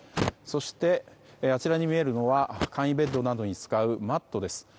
そして、あちらに見えるのは簡易ベッドなどに使うマットです。